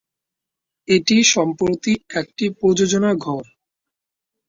এটি সম্প্রতি একটি প্রযোজনা ঘর।